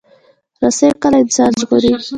رسۍ کله انسان ژغوري.